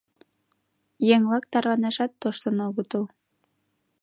Еҥ-влак тарванашат тоштын огытыл.